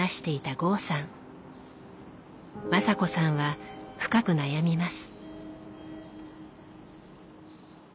雅子さんは深く悩みます。